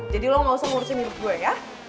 jadi lo gak usah ngurusin hidup gue ya